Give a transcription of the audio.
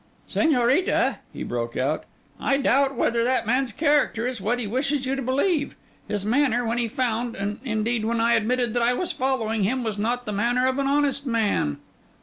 'Señorita,' he broke out, 'I doubt whether that man's character is what he wishes you to believe. His manner, when he found, and indeed when I admitted that I was following him, was not the manner of an honest man.